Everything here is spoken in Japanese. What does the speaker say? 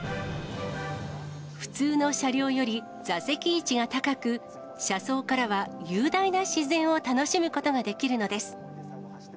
普通の車両より座席位置が高く、車窓からは雄大な自然を楽しむことができるのです。